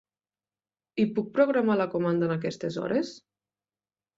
I puc programar la comanda en aquestes hores?